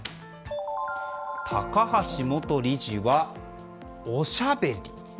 高橋元理事は、おしゃべり？